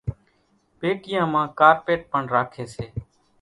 پيٽيان مان ڪارپيٽ پڻ راکيَ سي۔